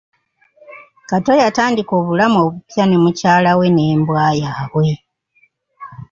Kato yatandika obulamu obupya ne mukyala we n'embwa yabwe.